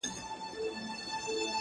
o سم وارخطا ـ